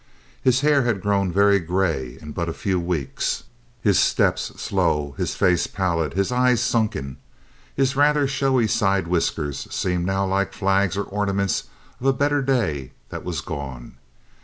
His hair had grown very gray in but a few weeks, his step slow, his face pallid, his eyes sunken. His rather showy side whiskers seemed now like flags or ornaments of a better day that was gone.